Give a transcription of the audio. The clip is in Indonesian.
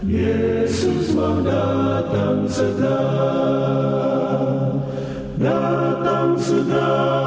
yesus mau datang segera